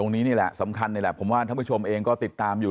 นี่แหละสำคัญนี่แหละผมว่าท่านผู้ชมเองก็ติดตามอยู่